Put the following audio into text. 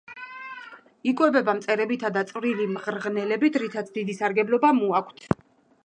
იკვებება მწერებითა და წვრილი მღრღნელებით, რითაც დიდი სარგებლობა მოაქვს.